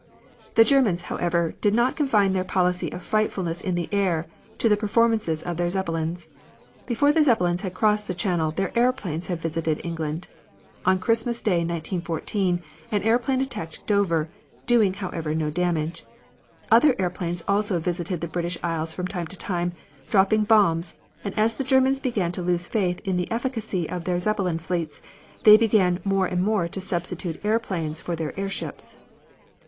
The Germans, however, did not confine their policy of frightfulness in the air to the performances of their Zeppelins. Before the Zeppelins had crossed the Channel their airplanes had visited England. On Christmas Day, 1914, an airplane attacked Dover, doing, however, no damage. Other airplanes also visited the British Isles from time to time, dropping bombs, and as the Germans began to lose faith in the efficacy of their Zeppelin fleets they began more and more to substitute airplanes for their airships.